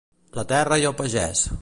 La terra i el pagès.